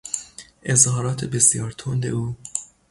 اظهارات بسیار تند او